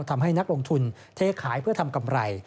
ทำให้นักลงทุนเทขายเพื่อทำกำไร